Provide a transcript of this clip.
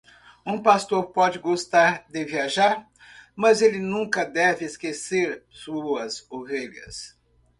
Um pastor pode gostar de viajar?, mas ele nunca deve esquecer suas ovelhas.